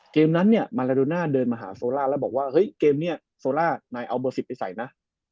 เกมนั้นเนี่ยมาลาโดน่าเดินมาหาโซล่าแล้วบอกว่าเฮ้ยเกมนี้โซล่านายเอาเบอร์๑๐ไปใส่นะ